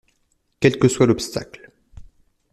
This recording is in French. Quel que soit l'obstacle